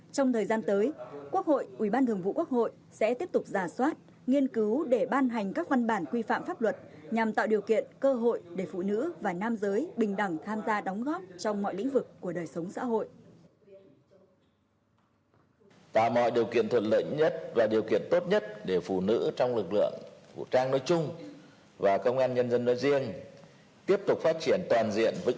trong thời gian tới quốc hội ubnd quốc hội sẽ tiếp tục giả soát nghiên cứu để ban hành các văn bản quy phạm pháp luật nhằm tạo điều kiện cơ hội để phụ nữ và nam giới bình đẳng tham gia đóng góp trong mọi lĩnh vực của đời sống xã hội